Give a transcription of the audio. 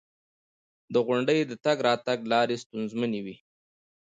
• غونډۍ د تګ راتګ لارې ستونزمنوي.